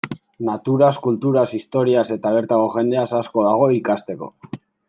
Naturaz, kulturaz, historiaz, eta bertako jendeaz asko dago ikasteko.